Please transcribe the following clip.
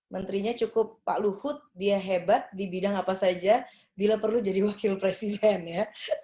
menterinya cukup pak luhut dia hebat di bidang apa saja bila perlu jadi wakil presiden ya